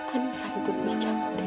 anissa itu lebih cantik